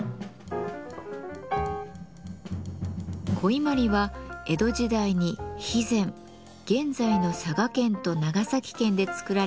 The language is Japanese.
古伊万里は江戸時代に肥前現在の佐賀県と長崎県で作られた磁器のこと。